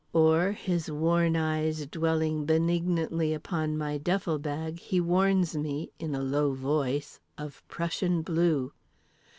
Or, his worn eyes dwelling benignantly upon my duffle bag, he warns me (in a low voice) of Prussian Blue.